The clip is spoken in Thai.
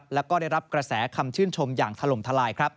และได้รับกระแสคำชื่นชมอย่างถล่มทลาย